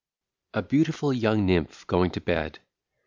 "] A BEAUTIFUL YOUNG NYMPH GOING TO BED.